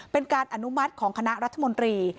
เป็นการอนุมัติของคณะรัฐมนตรี